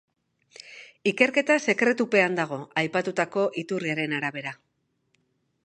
Ikerketa sekretupean dago, aipatutako iturriaren arabera.